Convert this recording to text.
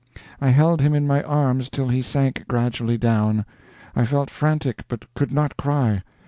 I held him in my arms till he sank gradually down. I felt frantic, but could not cry.